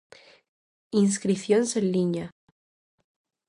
Inscricións en liña.